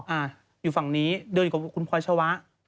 อ่าอยู่ฝั่งนี้เดินอยู่กับคุณพลอยชวะ